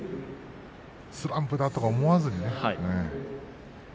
スランプだと思わずに。